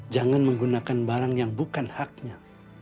jangan menggunakan barang yang bukan haknya